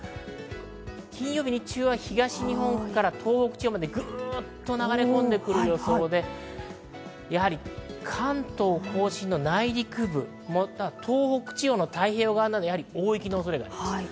金曜日、日中は東日本から東北地方までぐっと流れ込んでくる予想で、やはり関東甲信の内陸部、または東北地方の太平洋側など、大雪の恐れがあります。